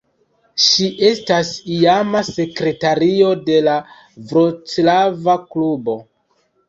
Ŝi estas iama sekretario de la Vroclava klubo.